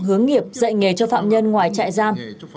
hướng nghiệp dạy nghề cho phạm nhân ngoài trại giam